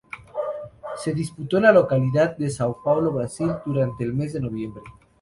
Se disputo en la localidad de São Paulo, Brasil, durante el mes de noviembre.